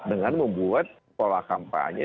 dengan membuat pola kampanye